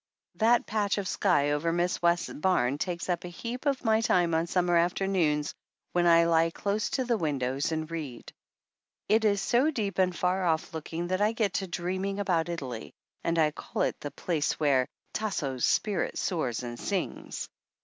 That patch of sky over Mrs. West's barn takes up a heap of my time on summer after noons when I he close to the windows and read. It is so deep and far off looking that I get to dreaming about Italy, and I call it the place where "Tasso's spirit soars and sings."